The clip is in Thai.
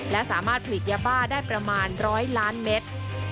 และสามารถผลิตยาบ้าได้ประมาณ๑๐๐ล้านเมตร